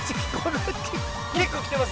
結構きてます？